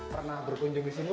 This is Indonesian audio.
pernah berkunjung di sini